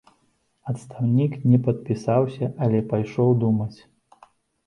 Адстаўнік не падпісаўся, але пайшоў думаць.